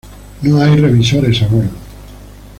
No hay revisores a bordo.